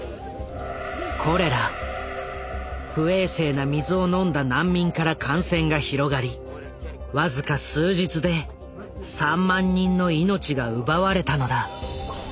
不衛生な水を飲んだ難民から感染が広がり僅か数日で３万人の命が奪われたのだ。